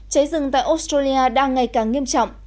cháy rừng tại australia đang ngày càng nghiêm trọng